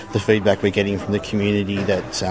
kepada pendapat yang kita dapat dari komunitas